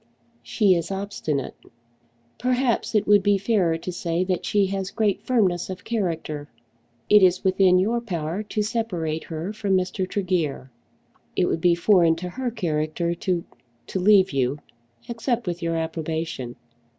"She is obstinate. Perhaps it would be fairer to say that she has great firmness of character. It is within your power to separate her from Mr. Tregear. It would be foreign to her character to to leave you, except with your approbation."